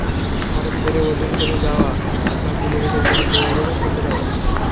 হঠাৎ করে ওজন কমে যাওয়া আপনার চুলের ওপর বিরূপ প্রভাব ফেলতে পারে।